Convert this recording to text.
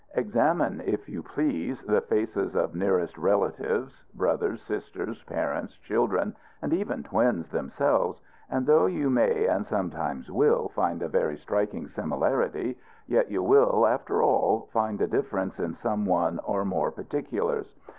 Examine, if you please, the faces of nearest relatives brothers, sisters, parents, children, and even twins themselves and though you may and sometimes will find a very striking similarity, yet you will, after all, find a difference in some one or more particulars.